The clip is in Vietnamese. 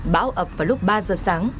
bão ập vào lúc ba giờ sáng